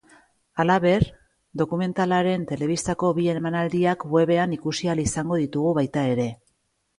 Halaber, dokumentalaren telebistako bi emanaldiak webean ikusi ahal izango ditugu baita ere.